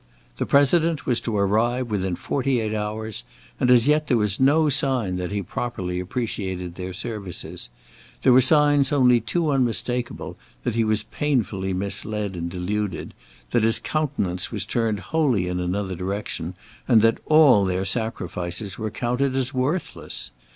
The President was to arrive within forty eight hours, and as yet there was no sign that he properly appreciated their services; there were signs only too unmistakeable that he was painfully misled and deluded, that his countenance was turned wholly in another direction, and that all their sacrifices were counted as worthless.